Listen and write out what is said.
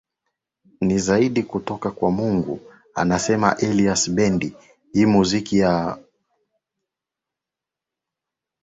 ni zawadi kutoka kwa Mungu anasema Elias Bendi hii ya muziki imekua fursa kwao